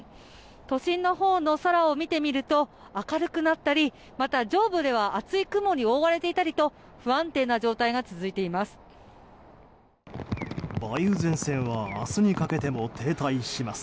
都心のほうの空を見てみると明るくなったりまた、上部では厚い雲に覆われていたりと不安定な状態が続いています。